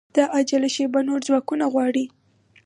دا عاجله شېبه نور ځواکونه غواړي